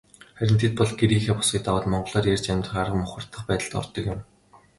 Харин тэд бол гэрийнхээ босгыг даваад монголоор ярьж амьдрах арга мухардах байдалд ордог юм.